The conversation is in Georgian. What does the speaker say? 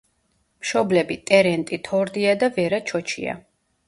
მშობლები: ტერენტი თორდია და ვერა ჩოჩია.